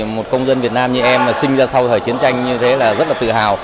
một công dân việt nam như em sinh ra sau thời chiến tranh như thế là rất tự hào